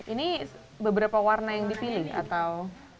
ini beberapa warna yang dipilih atau